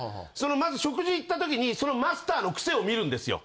まず食事行った時にそのマスターのクセを見るんですよ。